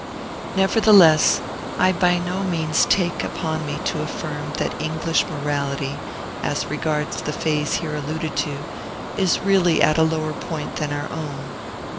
Nevertheless, I by no means take upon me to affirm that English morality, as regards the phase here alluded to, is really at a lower point than our own.